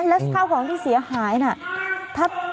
แล้วข้าวของที่เสียหายน่ะ